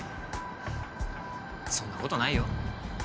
ふっそんなことないよ。